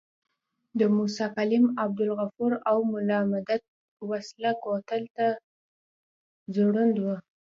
د موسی کلیم، عبدالغفور او ملا مدت وسله کوتل ته ځوړند وو.